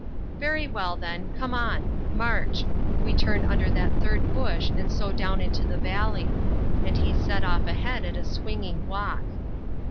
"Very well, then, come on. March. We turn under that third bush and so down into the valley." And he set off ahead at a swinging walk.